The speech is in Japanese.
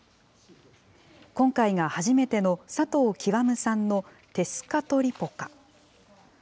今回が初めての佐藤究さんのテスカトリポカ。